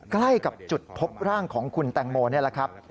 ใกล้กับจุดพบร่างของคุณแตงโมนี่แหละครับ